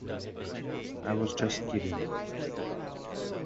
I was just kidding!